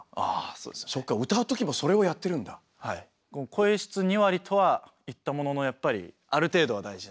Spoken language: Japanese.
声質２割とは言ったもののやっぱりある程度は大事なので。